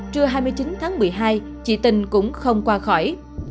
trưa hai mươi chín tháng một mươi hai chị tình cũng không qua khỏi